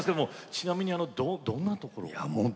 ちなみに、どんなところ？